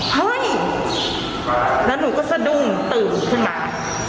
เฮ้ยแล้วหนูก็สะดุ้งตื่นขึ้นมา